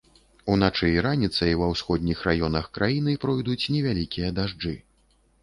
Уначы і раніцай ва ўсходніх раёнах краіны пойдуць невялікія дажджы.